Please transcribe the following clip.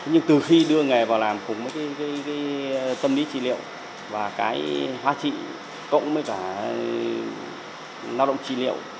nhưng từ khi đưa nghề vào làm cùng với tâm lý trị liệu và cái hóa trị cộng với cả lao động trí liệu